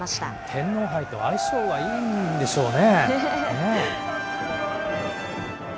天皇杯と相性がいいんでしょうね。